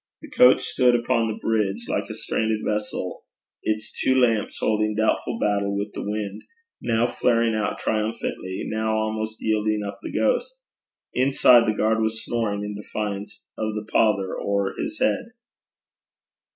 The coach stood upon the bridge like a stranded vessel, its two lamps holding doubtful battle with the wind, now flaring out triumphantly, now almost yielding up the ghost. Inside, the guard was snoring in defiance of the pother o'er his head.